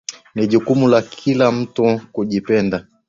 Ni jukumu la kila mtu kujipenda